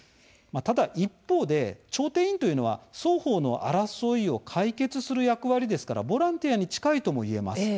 ただ一方で、調停委員というのは双方の争いを解決する役割ですからボランティアに近いともいえます。